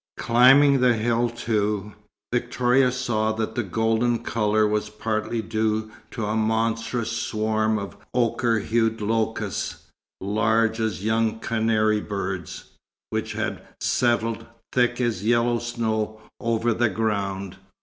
Climbing the hill, too, Victoria saw that the golden colour was partly due to a monstrous swarm of ochre hued locusts, large as young canary birds, which had settled, thick as yellow snow, over the ground.